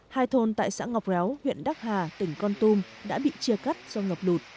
hai thôn tại xã ngọc réo huyện đắc hà tỉnh con tum đã bị chia cắt do ngọc đụt